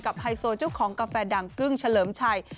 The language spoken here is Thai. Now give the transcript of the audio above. ไฮโซเจ้าของกาแฟดังกึ้งเฉลิมชัย